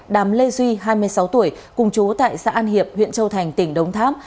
đàm lê duy hai mươi sáu tuổi cùng chú tại xã an hiệp huyện châu thành tỉnh đống tháp